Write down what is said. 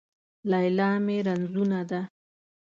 ليلا مې رنځونه ده